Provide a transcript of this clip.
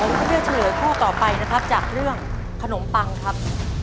ผมจะเลือกเฉลยข้อต่อไปนะครับจากเรื่องขนมปังครับ